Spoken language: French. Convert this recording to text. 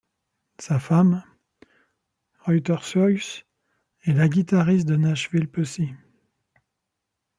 Sa femme, Ruyter Suys, est la guitariste de Nashville Pussy.